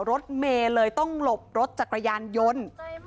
รถเมย์เลยต้องหลบรถจักรยานยนต์